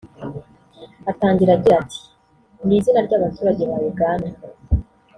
Atangira agira ati “mu izina ry’abaturage ba Uganda